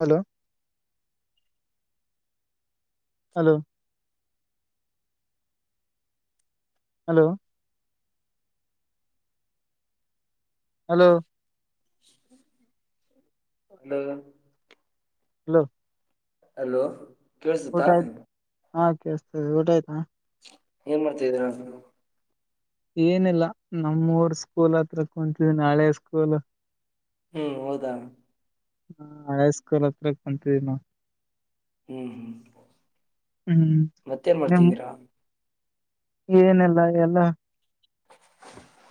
Hello hello hello hello ಅದು hello hello ಕೆಳಸತ್ತಾ ಹಾಕತ ಊಟ ಆಯ್ತಾ ಏನ್ ಮಾಡ್ತಾದ್ದೇ ನಾನು ಏನಿಲ್ಲಾ ನಮ್ಮೂರ ಸ್ಕೂಲ್ ಹತ್ರ ಕುಂತವಿ ನಾಳೆ ಸ್ಕೂಲ್ ಹ್ಮ್ ಹೌದಾ ಹಳೆ ಹೈ ಸ್ಕೂಲ್ ಹತ್ರಕ ಬಂತಿದ ನಾ ಹ್ಮ್ ಹ್ಮ್ ಹ್ಮ್ ಮತ್ತೇನ ಮಾಡ್ತಿದ್ದೀರಾ ಏನೆಲ್ಲಾ ಎಲ್ಲ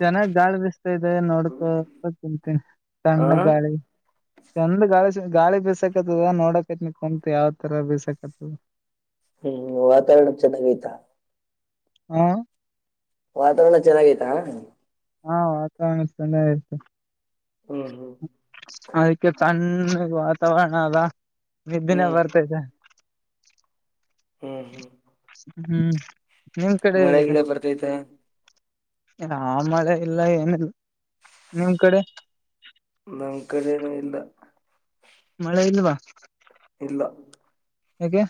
ಚೆನ್ನಾಗ ಗಾಳಿ ಬಿಸ್ತಾ ಇದೆ ನೋಡ್ಕ ತಿಂತೀನಿ ಹ ಸಣ್ಣ ಗಾಳಿ ಚಂದ್ ಗಾಳಿ ಗಾಳಿ ಬಿಸಾಕತದ ನೋಡಕತ್ನ ಕುಂತ್ ಯಾವ್ ತರ ಬಿಸಕತದ. ಹ್ಮ ವಾತಾವರ್ಣ ಚೆನ್ನಾಗ್ ಐತ. ಹಾ ವಾತಾವರ್ಣ ಚೆನ್ನಾಗೈತಾ. ಹಾ ವಾತಾವರ್ಣ ಚೆನ್ನಾಗ್ ಐತಿ. ಹ್ಮ್ ಅದಕ್ಕೆ ತಣ್ಣಗ್ ವಾತಾವರ್ಣ ಅದ ನಿದ್ದಿನೇ ಹ್ಮ್ ಬರ್ತೈತೆ. ಹ್ಮ್ ಹ್ಮ್ ನಿಮ್ ಕಡೆ ಮಳೆ ಹೇಗಿದೆ ಗಿಳೆ ಬರ್ತೈತೆ. ಆ ಮಳೆ ಇಲ್ಲ ಏನಿಲ್ಲ ನಿಮ್ ಕಡೆ. ನಮ್ ಕಡೆನು ಇಲ್ಲ. ಮಳೆ ಇಲ್ವಾ. ಇಲ್ಲ ಯಾಕೆ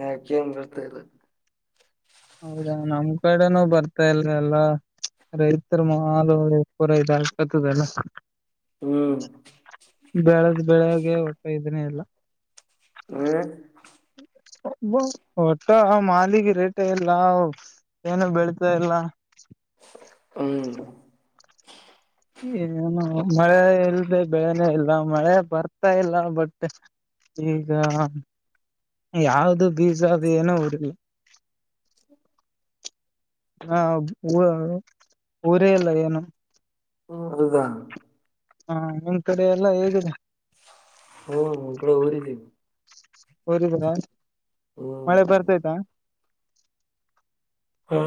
ಯಾಕೆನೂ ಬರ್ತಾ ಇಲ್ಲ. ಹೌದಾ ನಮ್ ಕಡೆನೂ ಬರ್ತಾ ಇಲ ಎಲ್ಲ. ರೈತೃ ಮಾಲು ಪುರ ಇದ್ ಆಗ್ಕತದಲ್ಲ. ಹ್ಮ್ ಬೆಳೆದ್ ಬೆಳಗ್ಗೆ ಒಟ್ಟ ಇದ್ನೇ ಏಲ್ಲ. ಹ್ಮ ಹೊಟ್ಟ ಮಾಲಿಗೆ ರೇಟೆ ಎಲ್ಲ. ಏನು ಬೆಳಿತಾ ಇಲ್ಲ. ಹ್ಮ್ ಏನು ಮಳೆ ಇಲ್ದೆ ಬೆಳೆನೇ ಇಲ್ಲ ಮಳೆ ಬರ್ತಾ ಇಲ್ಲ ಬಟ್. ಈಗ ಯಾವ್ದು ಬೀಜ ಅದು ಏನೋ ಉಡ್ಲಿ. [inaudible] ಹಾ ಉಳ್ ಊರೇ ಇಲ್ಲ ಏನು. ಹು ಅದದ. ಹಾ ನಿಮ್ ಕಡೆ ಎಲ್ಲ ಹೇಗಿದೆ. ಹ್ಮ ನಮ್ ಕಡೆ ಊರಿದೀವ್. ಉರಿದ್ರ ಮಳೆ ಬರ್ತಾಯ್ತಾ. ಹಾ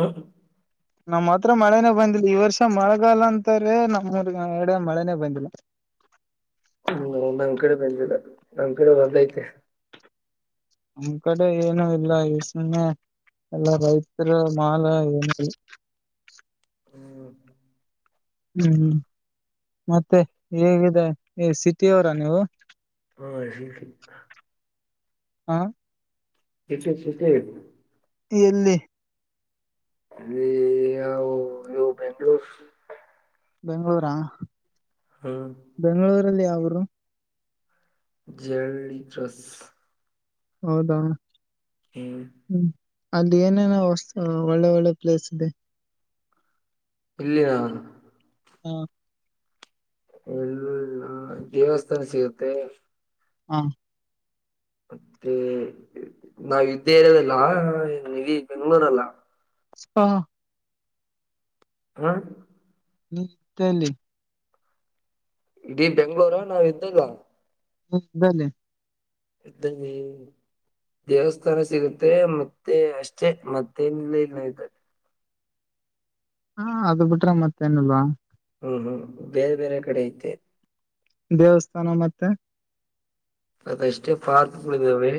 ನಮ್ ಹತ್ರ ಮಳೆನೆ ಬಂದಿಲ್ಲ ಈ ವರ್ಷ ಮಳಗಾಲ ಅಂತಾರೆ ನಮ್ ಊರ ಕಡೆ ಮಳೆನೇ ಬಂದಿಲ್ಲ. [inaudible] ಹ್ಮ್ ನಮ್ ಕಡೆ ಬಂದಿಲ್ಲ ನಮ್ ಕಡೆ ಬಂದೈತೆ. ನಮ್ ಕಡೆ ಏನು ಇಲ್ಲ ಇ ಸುಮ್ನೆ. ಎಲ್ಲ ರೈತೃ ಮಾಲ ಏನ. ಹ್ಮ್ ಹ್ಮ್ ಮತ್ತೆ ಹೇಗಿದೆ ಸಿಟಿ ಅವ್ರ ನೀವು. ಹಾ ಸಿಟಿ. ಹಾ ಸಿಟಿ ಸಿಟಿ. ಎಲ್ಲಿ ಎಲ್ಲಿ ಯಾವ್ ಯಾವ್ ಬೆಂಗ್ಳುರ್ಸ್. ಬೆಂಗ್ಳೂರ ಹ್ಮ್ ಬೆಂಗ್ಳೂರಲ್ಲಿ ಯಾವುರು. ಜಳ್ಲಿ ಕ್ರಸ್. ಹೌದಾ ಹ್ಮ್ ಹ್ಮ್ ಅಲ್ಲಿ ಏನೇನೋ ವಸ್ ಒಳ್ಳೆ ಒಳ್ಳೆ ಪ್ಲೇಸ್ ಇದೆ. ಇಲ್ಲಿಯಾ. ಹಾ ಎಲ್ಲು ಇಲ್ಲ ದೇವಸ್ಥಾನ ಸಿಗುತ್ತೆ ಹಾ ಮತ್ತೆ ನಾವ ಇದ್ದ ಏರಿಯಾಯದಲ್ಲ ಇಲ್ಲಿ ಬೆಂಗಳೂರಲ್ಲ [unintelligible] ಹಾ ಮಾತೇಲ್ಲಿ ಇಡೀ ಬೆಂಗಳೂರ ನಾವ್ಯಿದದ್ದ [unintelligible] [unintelligible] ದೇವಸ್ಥಾನ ಸಿಗುತ್ತೆ ಮತ್ತೆ ಅಷ್ಟೆ ಮತ್ತೆಲ್ಲ ಇಲ್ಲಯ್ತದೆ ಹಾ ಅದು ಬಿಟ್ರೆ ಮತ್ತೇನೀಲ್ವಾ ಹ್ಮ್ ಹ್ಮ್ ಬೇರೆ ಬೇರೆ ಕಡೆ ಐತೆ ದೇವಸ್ಥಾನ ಮತ್ತೆ ಅದಷ್ಟೇ ಪಾರ್ಕ್ಗಳು ಇದ್ದವೇ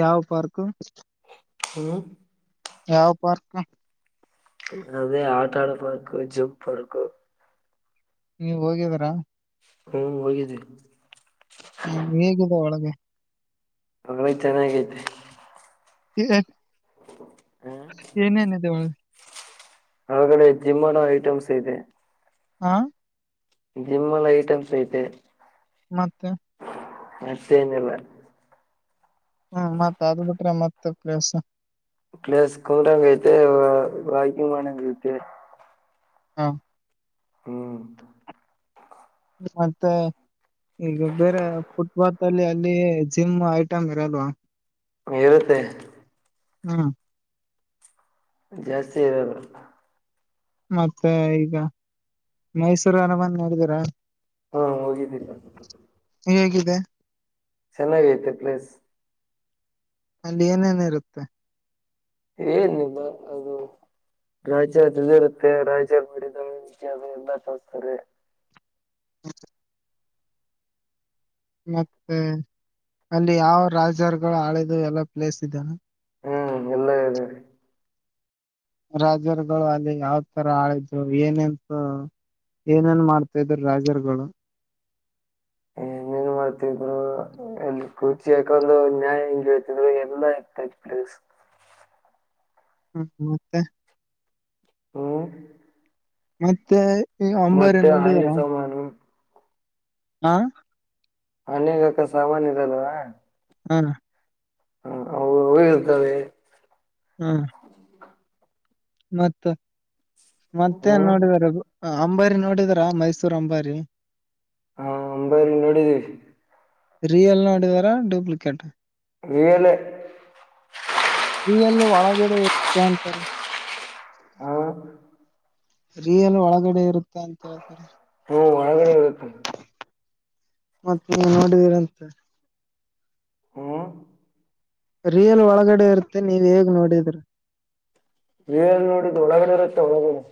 ಯಾವ ಪಾರ್ಕು ಹ್ಮ್ ಯಾವ ಪಾರ್ಕ್ ಅದೇ ಯಾವತಾರ ಪಾರ್ಕು [unintelligible] ನೀವ ಹೋಗಿದ್ರ ಹ್ಮ್ ಹೋಗಿದ್ವಿ ಹ್ಮ್ ಹೇಗಿದೆ ಒಳಗೆ ಒಳಗೆ ಚೆನ್ನಾಗೈತೆ ಏನೇನಿದೆ ಒಳಗೆ [unintelligible] ಜಿಮ್ ಅನ್ನೋ ಐಟಮ್ಸ್ ಇದೆ ಹಾ ಜಿಮ್ಮಲ್ಲಿ ಐಟಮ್ಸ್ ಐತೆ ಮತ್ತೆ ಮತ್ತೆ ಏನಿಲ್ಲ ಹ್ಮ್ ಮತ್ ಅದು ಬಿಟ್ರೆ ಮತ್ ಪ್ಲೇಸ್ ಪ್ಲೇಸ್ ಕೂಲ್ ಹಾಗಿ ಆಯ್ತೆ ವಾಕಿಂಗ್ ಮಾಡೋಹಾಗೆ ಆಯ್ತೆ ಹಾ ಹ್ಮ್ ಮತ್ತೆ ಈಗ ಬೇರೆ ಫುಟ್ಬಾತ್ ಅಲ್ಲಿ ಅಲ್ಲಿ ಜಿಮ್ ಐಟಂ ಇರಲ್ವಾ ಇರುತ್ತೆ ಹ್ಮ ಜಾಸ್ತಿ ಇರಲ್ಲ ಮತ್ತೆ ಈಗ ಮೈಸೂರು ಅರಾಮನೆ ನೋಡಿದೀರ ಹಾ ಹೋಗಿದ್ದೀನಿ ಹೇಗಿದೆ ಚೆನ್ನಾಗೈತೇ ಪ್ಲೇಸ್ ಅಲ್ಲಿ ಏನೇನೋ ಇರುತ್ತೆ ಏನಿಲ್ಲ ಅದು ರಾಜ್ಯ ಅದ ಇರುತ್ತೆ ರಾಜ್ಯ ಮಾಡಿದಿದಾದ [unintelligible] ಹ್ಮ್ ಮತ್ತೆ ಅಲ್ಲಿ ಯಾವ ರಾಜರುಗಳು ಆಳಿದ ಎಲ್ಲ ಪ್ಲೇಸ್ ಇದಾನ ಹ್ಮ್ ಎಲ್ಲ ಇದೆ ರಾಜರುಗಳು ಅಲ್ಲಿ ಯಾವ ತರ ಆಳಿದ್ದು ಏನಂತೂ ಏನೇನ್ ಮಾಡ್ತಾದರು ರಾಜರುಗಳು ಏನೇನ್ ಮಾಡ್ತಿದ್ರು ಎಲ್ಲಿ ಕುೂರ್ಚಿ ಯಾಕಂದು ನ್ಯಾಯ ಹೆಂಗ್ ಹೇಳ್ತಿದ್ರು ಎಲ್ಲಾ ಇಗ್ತತ್ ಪ್ಲೀಸ್ ಹ್ಮ ಮತ್ತೆ ಹ್ಮ್ ಮತ್ತೆ ಈ ಅಂಬಾರಿ ಮತ್ತೆ ಆನೆ ನೋಡಿದಾರಾ ಸಾಮಾನು ಹಾ ಅನಗಕ ಸಾಮನ್ ಇರಲ್ವಾ ಹಾ ಹ್ಮ ಹರ್ತದೆ ಹಾ ಮತ್ತ ಮತ್ತೆನ್ ಹ್ಮ್ ನೋಡಿದರದು ಹ ಅಂಬಾರಿ ನೋಡಿದರಾ ಮೈಸೂರ್ ಅಂಬಾರಿ ಹಾ ಅಂಬರಿ ನೋಡಿದೀವಿ ರಿಯಲ್ ನೋಡಿವರಾ ಡ್ಯೂಪ್ಲಿಕೇಟ್ ರಿಯಲೇ ಈ ಎಲ್ಲಿ ಒಳಗಡೆ ಇರುತ್ತೆ ಅಂತಾರೆ ಹ್ಮ ರಿಯಲ್ ಒಳಗಡೆ ಇರುತ್ತೆ ಅಂತ ಹೇಳ್ತಾರೆ ಹ್ಮ್ ಒಳಗಡೆ ಇರುತ್ತೆ ಮತ್ತೆ ನ್ ನೋಡಿದರಂತೆ ಹ್ಮ್ ರಿಯಲ್ ಒಳಗಡೆ ಇರುತ್ತೆ ನೀವ ಹೇಗ್ ನೋಡಿದ್ರಿ ನೀನ್ ನೋಡಿದ ಒಳಗಡೆ ಇರುತ್ತೆ ಒಳಗಡೆ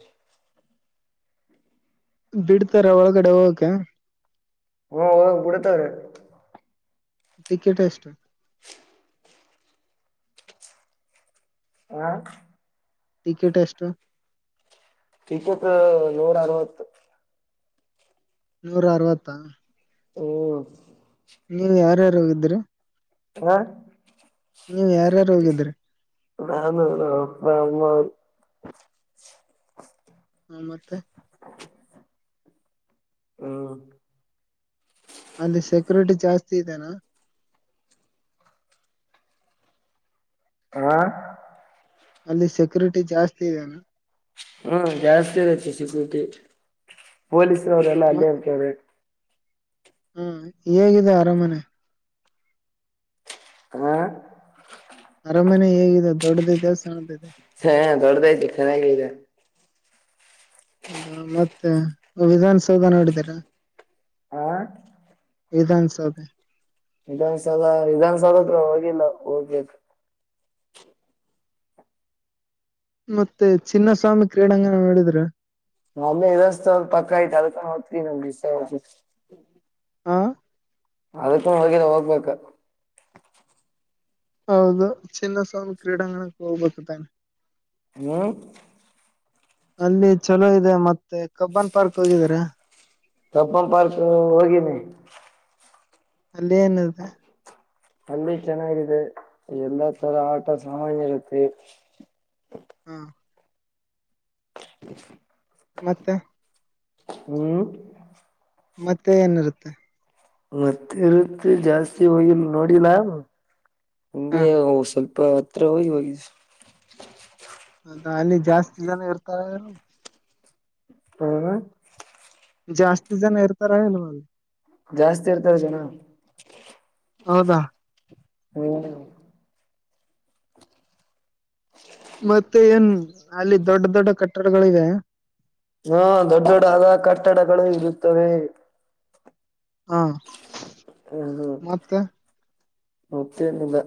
ಬಿಡ್ತಾರ ಒಳಗಡೆ ಹೋಗಕೆ ಹಓ ಹಓ ಬೀಡತಾರೆ ಟಿಕೆಟ್ ಎಷ್ಟು ಆ ಟಿಕೆಟ್ ಎಷ್ಟು ಟಿಕೆಟ್ ನೂರ ಅರವತ್ತು ನೂರ ಅರವತ್ತಾ ಹ್ಮ ನೀವ್ ಯಾರ್ಯಾರು ಹೋಗಿದ್ರ ಹಾ ನೀವ್ ಯಾರ್ಯಾರು ಹೋಗಿದ್ರಿ ನಾನು ನನ್ನ ಅಪ್ಪಾ ಅಮ್ಮ ಹಾ ಮತ್ತೆ [inaudible] ಹ್ಮ ಅಲ್ಲಿ ಸೆಕ್ಯೂರಿಟಿ ಜಾಸ್ತಿ ಇದದೆನಾ ಹಾ ಅಲ್ಲಿ ಸೆಕ್ಯುರಿಟಿ ಜಾಸ್ತಿ ಇದೆ ಹ್ಮ್ ಜಾಸ್ತಿ ಇರೈತಿ ಸಿಿಕ್ಯರ್ಟಿ ಪೊಲೀಸರುವರೆಲ್ಲ ಅಲ್ಲಿ ಇರ್ತಾರೆ ಹ್ಮ ಹೇಗಿದೆ ಅರಾಮನೆ ಹ್ಮ ಅರಾಮನೆ ಹೇಗಿದೆ ದೊಡ್ಡದ ಇದೆ ಸಣ್ಣ ಇದೆ ಹಾ ದೊಡ್ಡದಐತಿ ಚೆನ್ನಾಗತೆ ಹ ಮತ್ತೆ ವಿಧಾನಸೌಧ ನೋಡಿದ್ದೀರಾ ಹಾ ವಿಧಾನಸೌದಲ ವಿಧಾನಸೌಧ ವಿಧನ್ಸೌಧತ್ರ ಹೋಗಿಲ್ಲ ಹೋಗ್ಬೇಕ ಮತ್ತೆ ಚಿನ್ನಸ್ವಾಮಿ ಕ್ರೀಡಾಂಗನ ನೋಡಿದ್ರೆ ಅಲ್ಲೇ ರಸ್ತೆ ಪಕಾಯ ಚಲ್ಲ ಹೊತ ನ ಸ ಹಾಂ ಅದಕ್ಕ ಹೋಗಿಲ್ಲ ಹೋಗ್ಬೇಕ ಹೌದು ಚಿನ್ನಸ್ವಾಮಿ ಕ್ರೀಡಾಂಗಣಕ್ಕೆ ಹೋಗ್ಬೇಕ ತಾನೆ ಹ್ಮ್ ಅಲ್ಲಿ ಚಲೋ ಇದೆ ಮತ್ತೆ ಕಬ್ಬನ್ ಪಾರ್ಕ್ ಹೋಗಿದಿದ್ದಾರೆ ಕಪ್ಪನ್ ಪಾರ್ಕ್ ಹೋಗಿನಿ ಅಲ್ಲಿ ಏನಿದೆ [unintelligible] ಅಲ್ಲಿ ಚೆನ್ನಾಗಿದೆ ಎಲ್ಲಾ ತರ ಆಟ ಸಾಮಾನ್ ಇರುತ್ತೆ ಹಾ ಮತ್ತೆ ಹ್ಮ್ ಮತ್ತೆ ಏನಿರುತ್ತೆ ಮತ್ತೆ ಇರುತ್ತ ಜಾಸ್ತಿ ಹೋಗಿಲ್ಲ ನೋಡಿಲ್ಲ ಹಾ ಹಂಗೆ ಸ್ವಲ್ಪ ಪತ್ರ ಹೋಗ [unintelligible] ಅದ ಅಲ್ಲಿ ಜಾಸ್ತಿ ಜನ ಇರ್ತಾರೆ ಏನು ಹಣ ಜಾಸ್ತಿ ಜನ ಇರ್ತಾರೆ ಏನು ಜಾಸ್ತಿ ಇರ್ತಾರೆ ಜನ ಹೌದಾ ಹ್ಮ್ ಮತ್ತೆ ಏನ್ ಅಲ್ಲಿ ದೊಡ್ಡ ದೊಡ್ಡ ಕಟ್ಟಡಗಳಿವ ಹ್ಮ ದೊಡ್ಡ ದೊಡ್ಡಾದ ಕಟ್ಟಡಗಳು ಇರುತ್ತವೆ ಹಾ ಹ ಮತ್ತೆ ಹ್ಮಮತ್ತೇನಿಲ್ಲ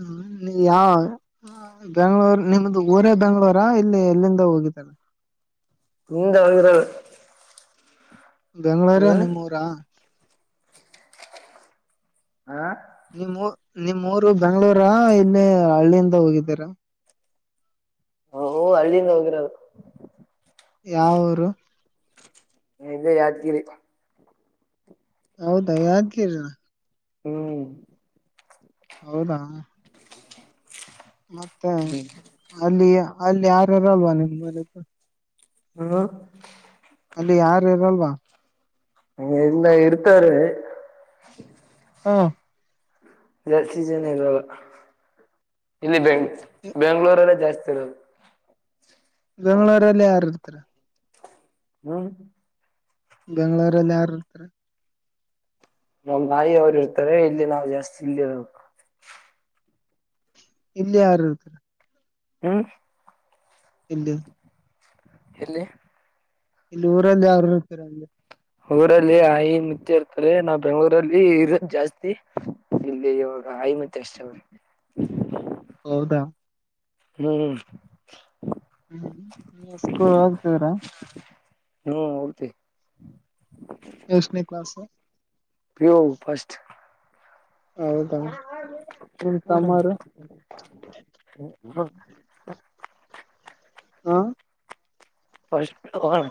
ಹ್ಮ ಯಾವ ಬೆಂಗ್ಳೂರ್ ನಿಮ್ದು ಊರ ಬೆಂಗ್ಳೂರ ಇಲ್ಲಿ ಎಲ್ಲಿಂದ ಹೋಗಿದ್ದಾರೆ ಹಿಂದ ಹರ [unintelligible] ಬೆಂಗಳೂರೇ ನಿಮ್ಮೂರ ಹಾ ನಿಮ್ಮ ನಿಮ್ಮ್ ಊರು ಬೆಂಗ್ಳೂರ ಇಲ್ಲಿ ಹಳ್ಳಿಯಿಂದ ಹೋಗಿದ್ದೀರ ಹ ಹಳ್ಳಿಯಿಂದ ಹೋಗಿರದು ಯಾವೂರು ನಾ ಇಲ್ಲೇ ಯಾದಗಿರಿ ಹೌದಾ ಯಾದಗಿರಿ ನಾ ಹ್ಮ್ ಹೌದಾ ಮತ್ತೆ ಅಲ್ಲಿ ಅಲ್ಲಿ ಯಾರಾರ ಅಲ್ವಾ ನಿಮ್ ಬಲ ಹ್ಮ ಅಲ್ಲಿ ಯಾರು ಇರಲ್ವಾ ಹ ಇಲ್ಲ ಇತಾರೆ ಹಾ ಜಾಸ್ತಿ ಜನ ಇರಲ್ಲ ಇಲ್ಲಿ ಬೆಂಗ್ ಬೆಂಗ್ಳೂರಲ್ಲ ಜಾಸ್ತಿ ತಿ [unintelligible] ಬೆಂಗಳೂರಲ್ಲಿ ಯಾರು ಇರ್ತಾರೆ ಹ್ಮ್ ಬೆಂಗಳೂರಲ್ಲಿಯಾರು ಇರ್ತಾರೆ ನಮ್ಮ್ ತಾಯಿ ಅವರು ಇರ್ತಾರೆ ಇಲ್ಲಿ ನಾವ್ ಜಾಸ್ತಿ ಇಲ್ಲಿ ಅದು ಇಲ್ಲಿ ಯಾರು ಇರ್ತಾರೆ ಹ್ಮ್ ಇಲ್ಲಿ ಎಲ್ಲಿ ಇಲ್ಲಿ ಊರಲ್ಲಿ ಯರೂರು ಇರ್ತೀರಗೆ ಊರಲ್ಲಿ ಹಾಯಿ ಮುಚ್ಚೆ [unintelligible] ಇರ್ತಾರೆ ನಾವ್ ಬೆಂಗಳೂರಲ್ಲಿ ಇ ಜಾಸ್ತಿ ಇಲ್ಲಿ ಇವಾಗ ಐಮತ್ತ ಅಷ್ಟ [unintelligible] ಹೌದಾ ಹ್ಮ್್ಮ ಹ್ಮ್ಸ್ಕ ಹೋಗತವರ ಹ್ಮ್ ಹೋಗತ ಯಷನ ಕ್ಲಾಸ್ ಪಿ ಯು ಫಸ್ಟ್ ಹೌದಾ ನಿಮ್ ತಮ್ಮರು ಹ ಹಾ ಪಷ ಹಣ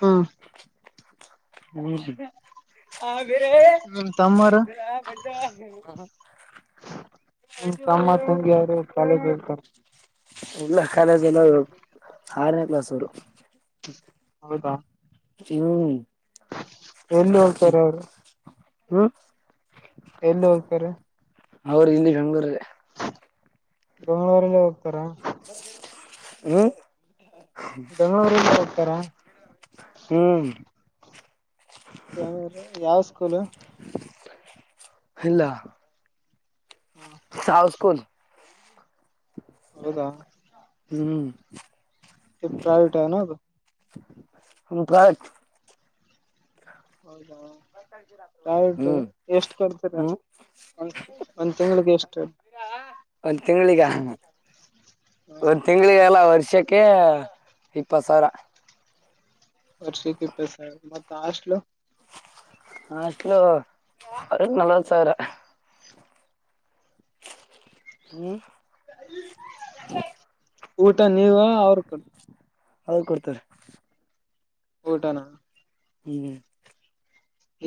ಹಾ ಹ್ಮ್ ಹಾ ಬರೆ ನಿಮ್ ತಮ್ಮರು ಬರ ಹ್ಮ ತಗೆ ಯಾರು ಕಾಲೇಜಳ್ತ ಇಲ್ಲ ಕಾಲೇಜ ಎನ ಆರನೆ ಕ್ಲಾಸ್ ಅವ್ರು ದಾ ಹೂ ಎನ್ ಹೋಗ್ತಾರೆ ಅವರು ಹ್ಮ್ ಎಲ್ಲಿ ಹೋಗ್ತಾರೆ ಅವ್ರ ಇಲ್ಲಿ ಬೆಂಗಳೂರಲ್ಲಿ ಬೆಂಗಳೂರಲ್ಲಿ ಹೋಗ್ತಾರಾ ಹ್ಮ ಬೆಂಗಳೂರಲ್ಲೇ ಹೋಗ್ತಾರಾ ಹ್ಮ್ ಬೂ ಯಾವ ಸ್ಕೂಲ್ ಇಲ್ಲ ಸವ ಸ್ಕೂಲ್ ಹೌದಾ ಹ್ಮ್ ಪ್ರೈವಟ್ದು ಹಕ ಹೌದಾ ಆಯದುು ಎಷ್ಟು ಕಲ್ತೀರ ಹ್ಮ್ ಒ ಒಂದ್ ತಿಂಗಳಿಗೆ ಎಷ್ಟು ಒಂದ್ ತಿಂಗ್ಳಿಗ ಹ, ಒಂದ್ ತಿಂಗ್ಳಿಗೆಲ್ಲ ವರ್ಷಕ್ಕೆ ಇಪ್ಪತ್ ಸಾವಿರ ವರ್ಷಕ್ಕೆ ಇಪ್ಪಸ ಮತ್ತ ಅಷ್ಟಲು ಹಾಷ್ಟಟ್ಲು ನಲವತ್ತು ಸಾವಿರ ಹ್ಮ ಊಟ ನೀವ ಅವ್ರ ಕೊ ಅವ್ರು ಕೊಡ್ತಾರೆ ಊಟಾನ ಹ್ಮ್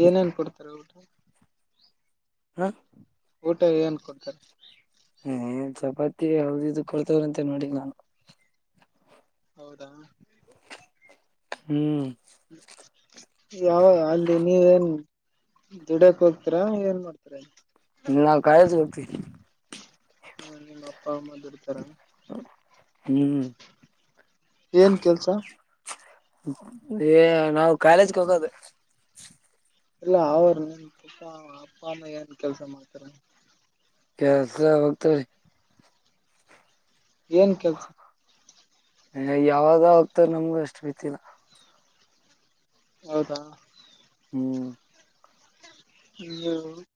ಏನೇನ್ ಕೊಡ್ತಾರ ಒಟು ಹ್ಮ ಊಟ ಏನ್ ಕೊಡ್ತಾರೆ ಹ್ಮ ಚಪಾತಿ ಯಾವ್ದ ಇ ಕೊಡ್ತವ್ರಂತೆ ನೋಡಿಲ್ ನಾನು ಹೌದಾ ಹೂ ಯಾವಗ ಅಲ್ಲಿ ನೀವೇನ್ ಧುಡ್ಯಾಕ್ ಹೋಗ್ತೀರಾ ಏನ್ ಮಾಡ್ತಾರ ನಾವು ಕಾಲೇಜ್ ಹೋಗ್ತೀವಿ ಹೂ ನಿಮ್ಮ ಅಪ್ಪ ಅಮ್ಮ ದುಡಿತರಾ ಹ್ಮ್ ಏನ್ ಕೆಲ್ಸ ಏ ನಾವು ಕಾಲೇಜ್ಗೆ ಹೋಗೋದು ಇಲ್ಲ ಅವರು ನೀನ್ ಅಪ್ಪ ಅಮ್ಮ ಏನ್ ಕೆಲ್ಸ ಮಾಡ್ತಾರ ಕೆಲಸ ಹೋಗ್ತಾರೆ ಏನ್ ಕೆಲ್ಸ ಹೇ ಯಾವುದೋ ಹೋಗ್ತಾರೆ ನನಗೂ ಅಷ್ಟು ಗೊತ್ತಿಲ್ಲಾ ಹೌದಾ ಹೂ [unintelligible]